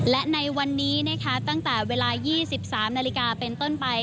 และในวันนี้นะคะตั้งแต่เวลา๒๓นาฬิกาเป็นต้นไป